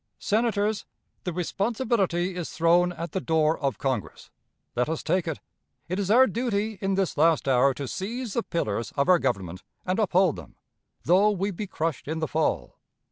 Senators, the responsibility is thrown at the door of Congress. Let us take it. It is our duty in this last hour to seize the pillars of our Government and uphold them, though we be crushed in the fall.